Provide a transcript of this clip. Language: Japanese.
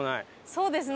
そうですね。